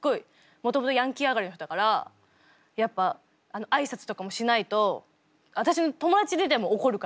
もともとヤンキー上がりの人だからやっぱ挨拶とかもしないと私の友達でも怒るから。